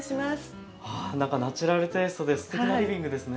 あナチュラルテイストですてきなリビングですね。